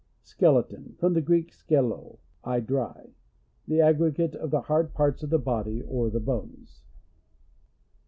Skeleton. — From the Greek, ekeUd, I dry. The aggregate of the hard parts of the body, or the bones.